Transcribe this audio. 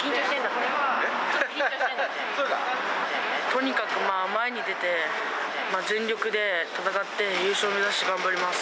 とにかく前に出て、全力で戦って、優勝目指して頑張ります。